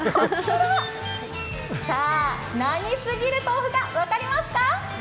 さあ、何過ぎる豆腐かわかりますか？